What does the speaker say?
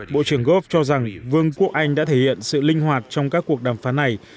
bộ trưởng gove cho rằng vương quốc anh đã thể hiện sự linh hoạt trong các cuộc đàm phán này